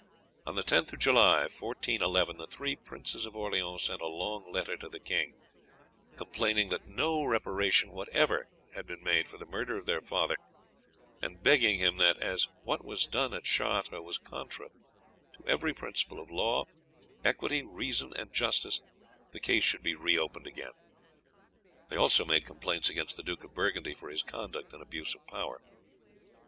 On the 10th of July, 1411, the three princes of Orleans sent a long letter to the king, complaining that no reparation whatever had been made for the murder of their father, and begging him that, as what was done at Chartres was contrary to every principle of law, equity, reason, and justice, the case should be reopened again. They also made complaints against the Duke of Burgundy for his conduct and abuse of power.